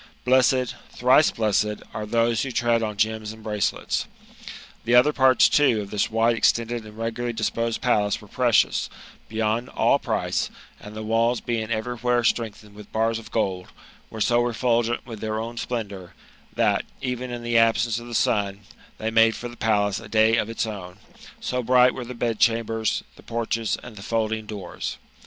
Blessed, thrice blessed, are those who tread on gems and bi:acelets ! The other parts, too, of this wide extended and regularly disposed palace were precious, beyond all price; and the walls being every where strengthened with bars of gold, Were so refulgent with their own sj^endoux that, even in the absence of the sun, tbey miade for the palace a day of its own, so bright were the bedchambers, the porches, and the folding doors.